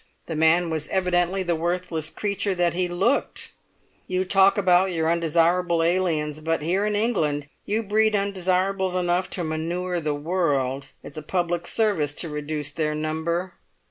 The man was evidently the worthless creature that he looked. You talk about your undesirable aliens, but here in England you breed undesirables enough to manure the world! It's a public service to reduce their number."